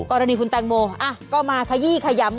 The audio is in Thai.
กรณีคุณแตงโมก็มาขยี้ขยำ